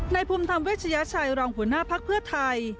ภูมิธรรมเวชยชัยรองหัวหน้าภักดิ์เพื่อไทย